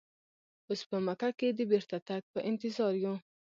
اوس په مکه کې د بیرته تګ په انتظار یو.